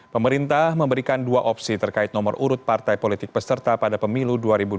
pemerintah memberikan dua opsi terkait nomor urut partai politik peserta pada pemilu dua ribu dua puluh